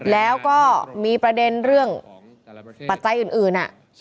แล้วก็มีประเด็นเรื่องปัจจัยอื่น